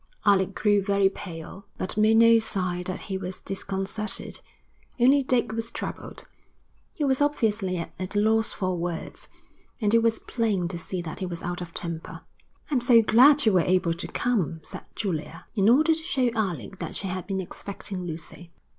Alec grew very pale, but made no sign that he was disconcerted. Only Dick was troubled. He was obviously at a loss for words, and it was plain to see that he was out of temper. 'I'm so glad you were able to come,' said Julia, in order to show Alec that she had been expecting Lucy.